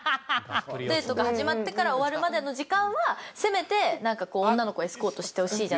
デートが始まってから終わるまでの時間はせめて女の子をエスコートしてほしいじゃないけど。